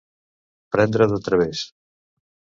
Prendre de través.